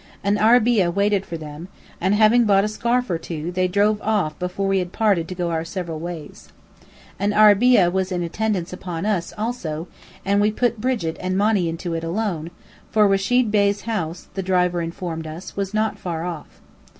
An arabeah waited for them; and having bought a scarf or two, they drove off before we had parted to go our several ways. An arabeah was in attendance upon us, also, and we put Brigit and Monny into it alone, for Rechid Bey's house, the driver informed us, was not far off.